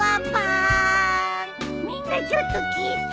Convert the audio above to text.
みんなちょっと聞いて！